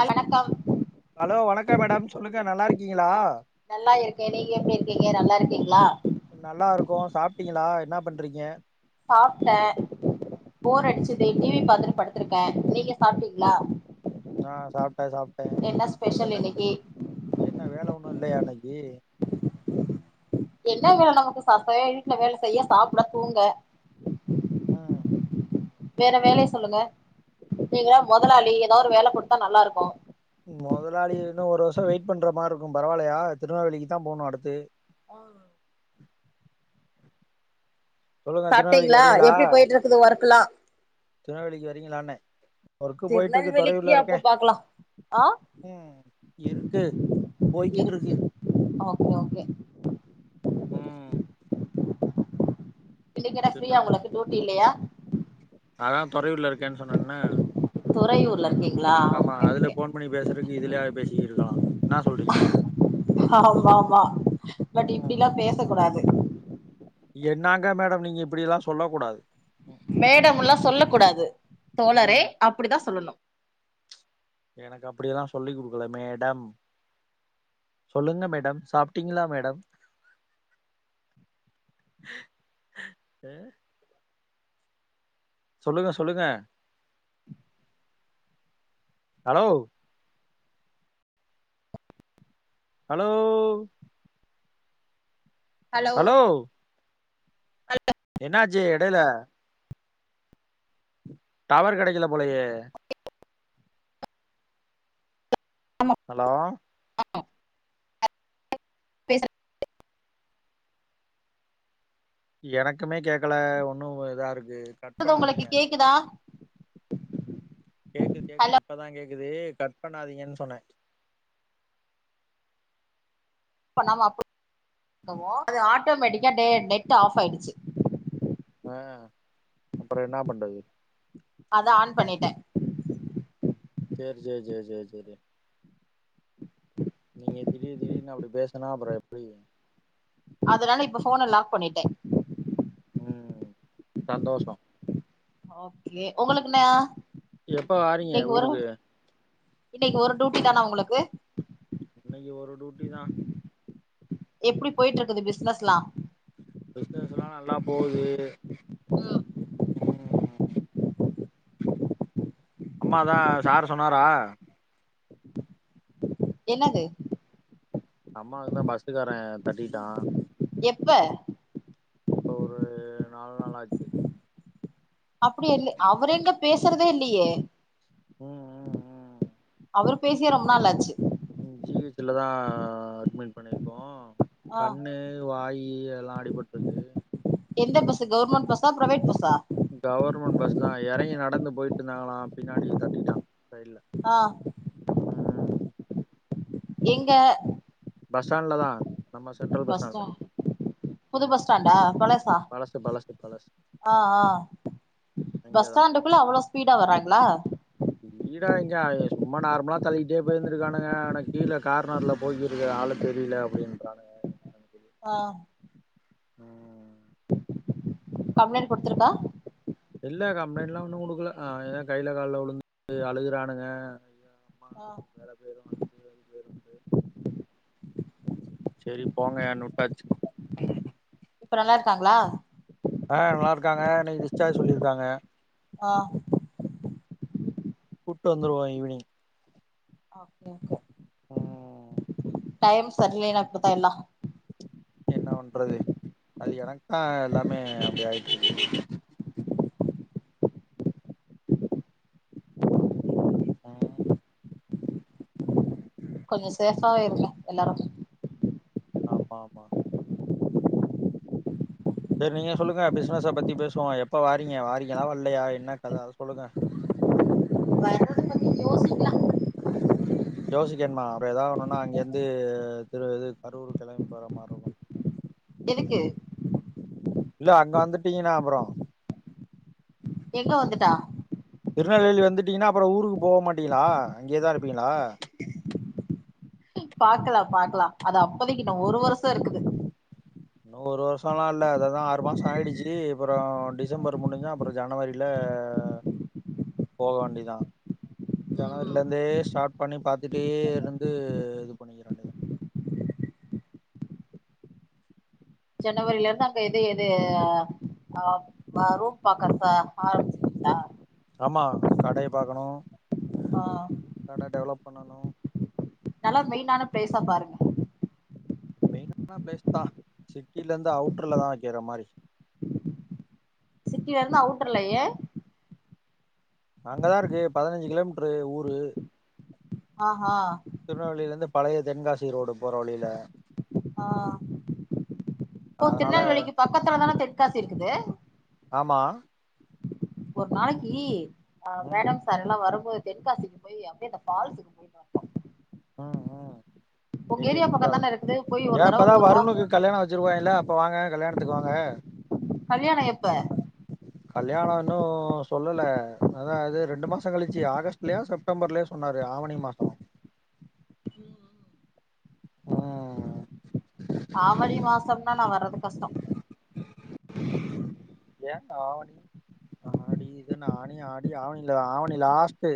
கல்ணக்கம் hello வணக்கம் madam சொல்லுங்க நல்லாருக்கீங்களா நல்லா இருக்கே நீங்க எப்டி இருக்கீங்க நல்லாருக்கீங்களா நல்லாருக்கோ சாப்ட்டீங்களா என்ன பண்றீங்க சாப்ட்டே போர் அடிச்சது ம் டிவி பாத்துட்டு படு த்திருக்கே நீங்க சாப்ட்டீங்களா நா சாப்ட்டே சாப்ட்டே என்ன ஸ்பெஷல் என்ன இன்னைக்கு என்ன வேல ஒன்னு இல்லையா இன்னைக்கி என்ன வேல நமக்கு சப்யே வீட்ல வேல செய்ய சாப்ட தூங்க அ வேற வேலையை சொல்லுங்க நீங்க ல முதலாளி ஏதாவது ஒரு வேல கொடுதா நல்லாருக்கோ முதலாளி இன்னு ஒரு வருஷோ வெயிட் பண்ற மார்ருக்கு பரவால்லையா திருநெவேலிக்கு தா போணு அடுத்து ஆ சொல்லுங்க திருநெல்வேலிக்கு சாப்ட்டீங்களா வரீங்களா எப்டி போயிட்டு இருக்குது ஒர்க்ல்லா திருநெல்வேலிக்கு வரீங்களான்னே ஒர்க போயிட்டுருக்கு திருநெல்வேலிக்கு தொறையுர்ல்ல இருக்கே அப்ப பாக்கலா ஆ இருக்கு இருக்கு போய்கிட்டுருக்கு ஓகே ஓகே ம் இன்னைக்கு என்ன திருநா ஃப்ரீா உங்களுக்கு டியூட்டி இல்லையா அதான் தொறையுர்ல்ல இருக்கேன்னு சொன்னேன்னே தொறையூர்ல்ல இருக்கீங்களா ஆமா ஓகே அதுல ஓகே ஃபோன் பண்ணி பேசுறதுக்கு இதுலயா பேசிக்கிருக்கலா ஆமா ஆமா பட் ம் இப்டிலா பேச கூடாது என்னாங்க மேடம் நீங்க இப்டியெல்லா சொல்ல கூடாது ம் ம் மேடம்ல்லா சொல்ல கூடாது தோழரே ம் அப்டிதாசொல்லணு எனக்கு அப்டியெல்லா சொல்லி் கொடுக்கல மேடம் சொல்லுங்க மேடம் சாப்ட்டீங்களா மேடம் அ சொல்லுங்க சொல்லுங்க ஹலோ ஹலோ ஹலோ ஹல் ல என்னாச்சி எடேல டவர் கெடைக்கல போலையே ஆமா ஹலோ ஆ பேச எனக்குமே கேக்கல ஒன்னும் இதாருக்கு பேசுறது ஒங்களுக்கு கேக்குதா கேக்குது கேக்குது ஹலோ இப்பதான் கேக்குது கட் பண்ணாதீங்கன்னு சொன்னேன் பண்ணாம இருக்கவும் அது ஆட்டோமேட்டிக்கா டே நெட்டு ஆஃபாயிடுச்சு அ அப்புறம் என்னா பண்றது அதான் ஆன் பண்ணிட்டேன் சேர் சேர் சேர் சேரி நீங்க திடீ திடீர்னு அப்பிடி பேசுனா அப்புறம் எப்பிடி அதனால இப்ப ஃபோன லாக் பண்ணிட்டேன் ம் சந்தோஷம் ஓகே உங்களுக்குனா எப்ப வாறீங்க ஊருக்கு இன்னக்கி ஒரு டூட்டி தானா ஒங்களுக்கு இன்னைக்கி ஒரு டூட்டி தான் எப்பிடி போயிட்டுருக்குது பிசினஸ்லாம் பிசினஸ்லாம் நல்லா போவுது ம் அம்மாதான் சார் சொன்னாரா என்னாது அம்மாக்குதான் பஸ்ஸுக்காரன் தட்டிட்டான் எப்ப இப்ப ஒரு நாலு நாள் ஆச்சு அப்படியல்ல அவரெங்க பேசறதேல்லையே ம் ம் ம் அவரு பேசியே ரொம்ப நாளாச்சு ஜி ஹச்ல தான் அட்மிட் பண்ணிருக்கோம் ஆ கண்ணு வாயி அதெல்லாம் அடிபட்ருக்கு எந்த பஸ்ஸு கவர்மெண்ட் பஸ்ஸா ப்ரைவேட் பஸ்ஸா கவர்மெண்ட் பஸ்தான் எறங்கி நடந்து போய்ட்ருந்தாங்களான் பின்னாடியே தட்டிட்டான் சைட்ல அ ம் எங்க பஸ் ஸ்டாண்ட்ல தான் நம்ம சென்ட்ரல் பஸ் ஸ்டாண்ட்ல புது ம் பஸ் ஸ்டாண்டா பழசா பழசு பழசு அ அ இங்கதான் ப்புலா அவ்ளோ ஸ்பீடா வராங்களா வீடா எங்க அ எ சும்மா நார்மலா தள்ளிகிட்டே பேயிருந்துக்கானுக ஆனா கீழ கார்னர்ல போயிக்கிருக்குற ஆள் தெரில அப்பிடின்றான்னுங்க அ கம்ப்ளைண்ட் குடுத்துருக்கா இல்ல கம்ப்ளைண்ட்லாம் ஒன்னும் குடுக்குல ஏதோ கைல கால்ல உழுந்து அழுகுறானுங்க அ ஆ வேற பேரு அது பேது பேருந்து சேரி போங்கயான் உட்டாச்சு இப்ப நல்லாருக்காங்ளா அ நல்லாருக்காங்க இன்னக்கி டிஸ்சார்ஜ் சொல்லிருக்காங்க அ கூட்டு வந்துருவோ ஈவினிங் அப்டிங்க ம் டைம் சரில்லினா இப்பிடித்தா எல்லா என்ன வண்றது அது எனக்த்தா எல்லாமே அப்டி ஆயிட்ருக்கு ம் கொஞ்ச சேஃபாவு இருக்கு எல்லாரு ஆமாமா செரி நீங்க சொல்லுங்க பிஸ்னஸ பத்தி பேசுவோ எப்போ வாரிங்க வாரிங்களா வல்லையா என்ன கத அத சொல்லுங்க வர்றது பத்தி யோசிக்கலா [unintelligible] யோசிக்கன்மா அப்பற ஏதாது ஒன்னுனா அங்கிருந்து திரு இது கரூர் கெளம்பி போற மாரி இருக்கு [inaudible] எதுக்கு இல்ல அங்க வந்துட்டிங்கன்னா அப்பறோ எங்க வந்துட்டா திருநெல்வேலி வந்துட்டிங்கன்னா அப்பற ஊருக்கு போக மாட்டிங்களா அங்கயேதா இருப்பிங்களா பாக்கலா பாக்கலா அது அப்போதைக்கு இன்னு ஒரு வருஷ இருக்குது இன்ன ஒரு வருஷலா இல்ல அததா ஆறு மாச ஆயிடுச்சு அப்புறோ டிசம்பர் முடிஞ்சா அப்பற ஜனவரில போக வேண்டிதா ஜனவரில ம் இருந்தே ஸ்டார்ட் பண்ணி பாத்துட்டே இருந்து இது பண்ணிக்கிற வேண்டிதா ஜனவரிலருந்து அங்க எது எது ஆ ம ரூம் பாக்க ச ஆரம்பிச்சிருவிங்களா ஆமா கடைய பாக்கணு ஆ கட டெவலப் பண்ணணு நல்லா மெயினான ப்ளேஸா பாருங்க மெயினான ப்ளேஸ் தா சிட்டிலருந்து அவுட்டர்லதா வெக்கற மாரி சிட்டிலருந்து அவுட்டர்ல ஏ அங்கதாருக்கு பதினஞ்சு கிலோமீட்டரு ஊரு ஆ ஹா திருநெல்வேலிலருந்து பழைய தென்காசி ரோடு போற வழில ஆ இப்போ அதனால திருநெல்வேலிக்கு பக்கத்துல தான தென்காசி இருக்குது ஆமா ஒரு நாளைக்கு ஆ ம் மேடம் சார் எல்லா வரும்போது தென்காசிக்கு போய் அப்படியே அந்த பால்ஸு ம் ம் உங்க எங்கே ஏரியா பக்கம் குற்றாலம் தான இருக்குது போய் ஏ ஒரு இப்பதா தடவ ஒரு வா வருணுக்கு கல்யாண வெச்சுருக்கோ இல்ல அப்ப வாங்க கல்யாணத்துக்கு வாங்க கல்யாண எப்ப கல்யாண இன்னு சொல்லல அதா இது ரெண்டு மாச கழிச்சு ஆகஸ்ட்லயா செப் டம்பர்லயோ சொன்னாரு ஆவணி மாச அ ஆவனி மாசம்னா நா வர்றது கஷ்டோ யேக்கா ஆடி இதென்ன ஆனி ஆடி ஆவணி ஆவணி லாஸ்ட்டு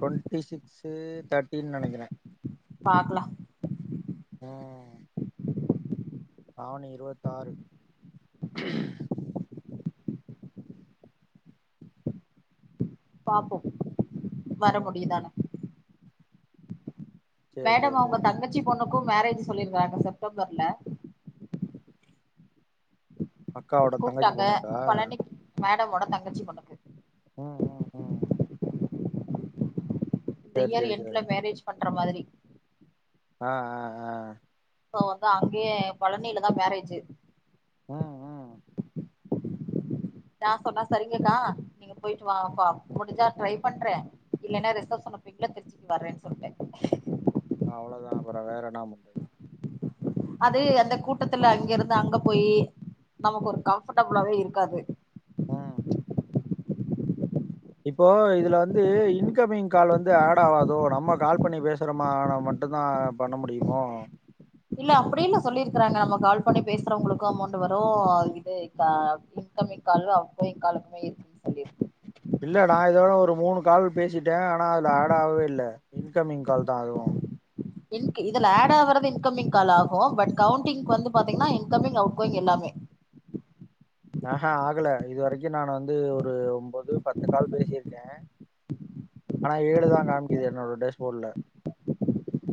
டுவெண்ட்டி சிக்ஸு தேட்டினு நெனைக்கிறே பாக்லா ம் ஆவணி இருவத்தாறு பாப்போ வர ம் முடியுதானு சேரி மேடம் சேரி அவுங்க சேரி தங்கச்சி பொண்ணுக்கு மேரேஜ் சொல்லிருக்காங்க செப்டம்பர்ல அக்காவோட தங்கச்சி கூப்ட்டாங்க பொண்ணுக்கா பழனிக்கு மேடம்மோட தங்கச்சி பொண்ணுக்கு ம் ம் ம் இந்த சேரி இயர் சேரி என்ட்ல சேரி மேரேஜ் பண்ற மாதிரி அ அ அ சோ வந்து அங்யே பழனிலதா மேரேஜ்ஜூ ம் ம் நா சொன்னே சரிங்கக்கா நீங்க பொயிட்டு வா பா முடிஞ்சா ட்ரை பண்றே இல்லன்னா ரிசப்ஷன் வப்பீங்ல திருச்சிக்கு வர்றேன் சொல்ட்டே அவ்ளோ தா அப்றோ வேற என்னா பண்றது அது அந்த கூட்டத்துல அங்க இருந்து அங்க போயி நமக்கு ஒரு கம்ஃபர்டபிளாவே இருக்காது அ இப்போ இதுல வந்து இன்கமிங் கால் வந்து ஆட் ஆகாதோ நம்ம கால் பண்ணி பேசுறோமான மட்டு்தா ஆட் பண்ண முடியுமோ இல்ல அப்டி இல்ல சொல்லிருக்குறாங்க நம்ம கால் பண்ணி பேசுறவங்ளுக்கு அமௌண்ட் வரு இது அப்டின் இன்கமிங் காலு அவுட்கோயிங் காலுக்குமே இருக்கு சொல்லிருக் இல்ல நா இதோட ஒரு மூணு கால் பேசிட்டே ஆனா அதுல ஆட் ஆகவே இல்ல இன்கமிங் கால் தா அதுவு இன்க் இதுல ஆட் ஆவ்றது இன்கமிங் கால் ஆகு பட் கவுண்டிங் வந்து பாத்திங்ன்னா இன்கமிங் அவுட்கோயிங் எல்லாமே ஆ ஹ அகுல இது வரைக்கு நான் வந்து ஒரு ஒன்போது பத்து கால் பேசிருக்கே ஆனா ஏழு தா காமிக்க்குது என்னோட டேஷ் ஃபோட்ல்ல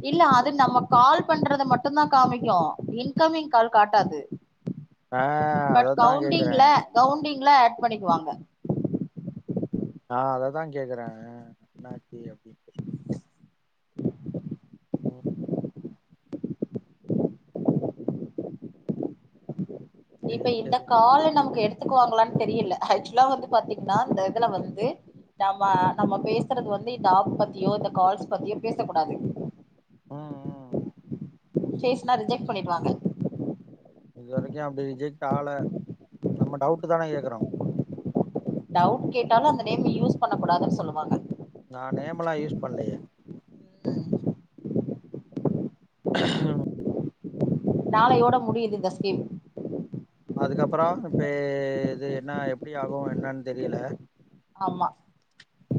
இல்ல அது நம்ம கால் பண்றத மட்டுதா காமிக்கு இன்கமிங் கால் காட்டாது ஏ பட் அததா கேக்குறே கவுண்டிங்ல கவுண்டிங்ல ஆட் பண்ணிக்குவாங்க ஆ அததா கேக்குறே என்னாச்சி அப்டின்ட்டு ம் சேரி இப்ப இந்த சேரி கால நமக்கு எடுத்துக்குவாங்ளான்னு தெரில ஆக்சுவலா வந்து பாத்திங்ன்னா இந்த இதுல வந்து நம்ம நம்ம பேசுறது வந்து இந்த ஆப் பத்தியோ இந்த கால்ஸ் பத்தியோ பேசக்கூடாது ம் ம் பேச்னா ரிஜெக்ட் பண்ணிடுவாங்க இது வரைக்கு அப்டி ரிஜெக்ட் ஆள நம்ம டவுட்டு தானே கேக்குறோ டவுட் கேட்டாலு அந்த நேம் யூஸ் பண்ணக்க கூடாதுன் சொல்லுவாங்க நா நேமலா யூஸ் பண்லியே ம் ஆ நாளையோட முடியுது இந்த ஸ்கீம் அதுக்கப்றோ இப்ப எ எது என்ன எப்டி ஆகு என்னன் தெரியல ஆமா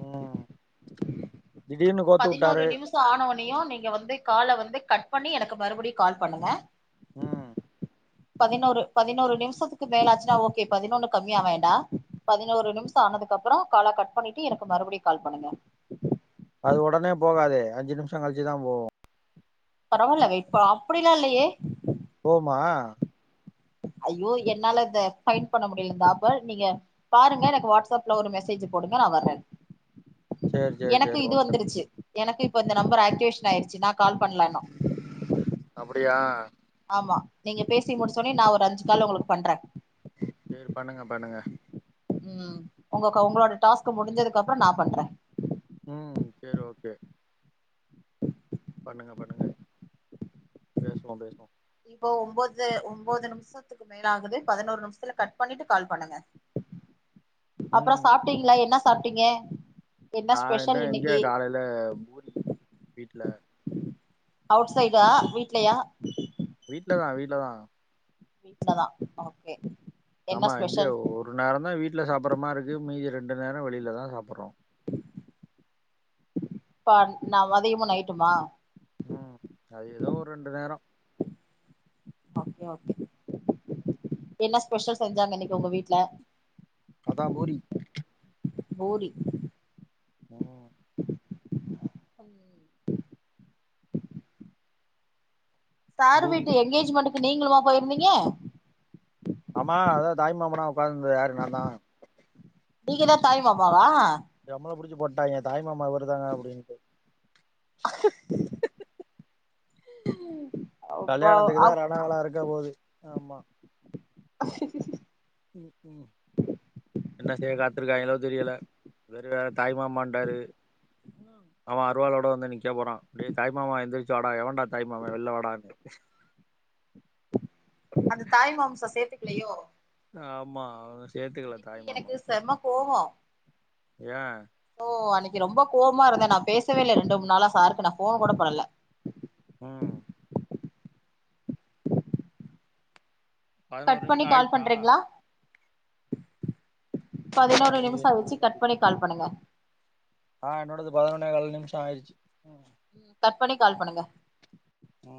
ம் திடீர்னு கோத்து பதினோரு வுட்டாரு நிமிஷம் ஆனவுடனையும் நீங்க வந்து கால வந்து கட் பண்ணி எனக்கு மறுபடியும் கால் பண்ணுங்க ம் பதினோரு பதினோரு நிமிஷத்துக்கு மேலாச்சுன்னா ஓகே பதினொன்னு கம்மியா வேண்டாம் பதினோரு நிமிஷம் ஆனதுக்கு அப்புறம் கால கட் பண்ணிட்டு எனக்கு மறுபடியும் கால் பண்ணுங்க அது உடனே போகாது அஞ்சு நிமிஷம் கழிச்சுதான் போகும் பரவாயில்ல வெயிட் அப்படியெலாம் இல்லையே போகுமா ஐயோ என்னால இத பைன் பண்ண முடியல பாபு நீங்க பாருங்க எனக்கு வாட்ஸ்அப்ல ஒரு மெசேஜ் போடுங்க நான் வர்றேன் சேரி சேரி எனக்கு சேரி இது ஓகே ஓகே வந்துருச்சு எனக்கு இப்ப இந்த நம்பர் ஆக்டிவேஷன் ஆயிருச்சு நான் கால் பண்ணலா இன்னும் அப்படியா ஆமா நீங்க பேசி முடிச்ச உடனேயே நான் ஒரு அஞ்சு கால் உங்களுக்கு பண்றேன் சரி பண்ணுங்க பண்ணுங்க ம் உங்க உங்களோட டாஸ்க் முடிஞ்சதுக்கு அப்புறம் நான் பண்றேன் ம் சரி ஓகே பண்ணுங்க பண்ணுங்க பேசுவோ பேசுவோ இப்போ ஒம்போது ஒம்போது நிமிஷோ க்கு மேலாகவே பதினோரு நிமிஷத்துத்தில கட் பண்ணிட்டு கால் பண்ணுங்க அப்புறம் ம் சாப்பிட்டிங்களா என்ன சாப்பிட்டீங்க நா என்ன எங்க காலையில பூரி வீட்ல அவுட் சைடா வீட்லயா வீட்லதா வீட்லதா வீட்ல தா ஓகே என்ன ஆமா இங்கே ஸ்பெஷல் ஒரு நேரோதா வீட்டில சாப்பிட்ற மாரி இருக்கு மீதி ரெண்டு நேரோ வெளியில தா சாப்பிட்றோ இப்ப நா மதியமு நையிட்டுமா ம் அது ஏதோ ஒரு ரெண்டு நேரோ ம் ஓகே ஓகே என்ன ஸ்பெஷல் செஞ்சாங்க இன்னைக்கு உங்க வீட்டு்ல அதா பூரி பூரி ம் சாரு வீட்டு பூரிதா எங்கேஜ்மென்டுக்கு நீங்களுமா போயிருந்தீங்க ஆமா அதா தாய் மாமனா உட்காந்திருந்தது யாரு நா தா நீங்கதா தாய் மாமாவா நம்பள புடிச்சு போட்டாய்ங்க தாய்மாமா இவர்தான் அப்டின்னுட்டு அப்போ கல்யாணத்துக்கு தா அப் ரணகள இருக்க போகுது ஆமா ம் ம் என்ன செய்ய காத்துருக்காங்களோ தெரியல இவரு வேற தாய் மாமான்டாரு அவன் அருவாளோட வந்து நிக்க போறா டேய் தாய்மா எந்திரிச்சு வாடா எவண்டா தாய் மாமா வெளில வாடான்னு அந்த தாய் மாமாஸ சேத்துக்கலையோ ஆமா அவ சேத்துகல அன்னைக்கு தாய் மாமா எனக்கு செம கோவோ ஏ ஓ அன்னைக்கு ரொம்ப கோவமா இருந்தே நா பேசவே இல்ல ரெண்டு மூணு நாளா சாருக்கு நா ஃபோன் கூட பன்ல உ பதினோரு கட் பண்ணி நிமிஷோ கால் ஆயிடுச்சா பண்றீங்களா பதினோரு நிமிஷோ வச்சு கட் பண்ணி கால் பண்ணுங்க ஆ என்னோடது பதினொன்னே கால் நிமிஷோ ஆயிருச்சு ம் கட் பண்ணி கால் பண்ணுங்க உ